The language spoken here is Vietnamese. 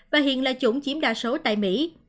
và hiện là chủng chiếm đa số tại mỹ